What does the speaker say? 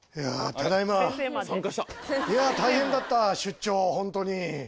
ただいまいや大変だった出張ホントに。